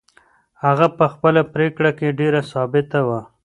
هغه په خپله پرېکړه کې ډېره ثابته وه.